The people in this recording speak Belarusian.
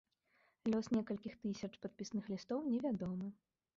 Лёс некалькіх тысяч падпісных лістоў невядомы.